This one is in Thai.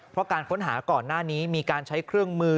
เพราะการค้นหาก่อนหน้านี้มีการใช้เครื่องมือ